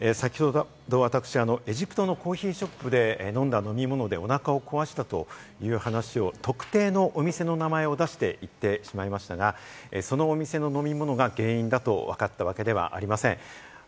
先ほど私、エジプトのコーヒーショップで飲んだ飲み物でおなかを壊したという話で、特定のお店の名前を出していってしまいましたが、そのお店の飲み物が原因だとわかったわけではありません。